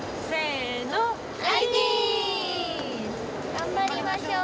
頑張りましょう。